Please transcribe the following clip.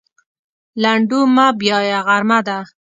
لنډو مه بیایه غرمه ده.